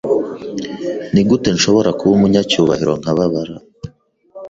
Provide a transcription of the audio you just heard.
Nigute nshobora kuba umunyacyubahiro nkababara